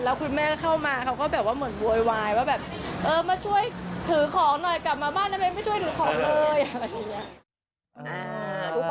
แล้วคุณแม่เข้ามาก็แบบว่าเหมือนววยวายว่าแบบเออมาช่วยถือของหน่อยกลับมาบ้านได้ไหมไม่ช่วยถือของเลย